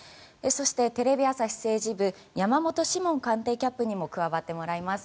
そして、テレビ朝日政治部山本志門官邸キャップにも加わってもらいます。